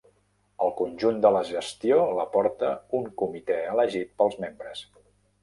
El conjunt de la gestió la porta un comitè elegit pels membres.